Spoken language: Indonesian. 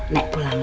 nek pulang ya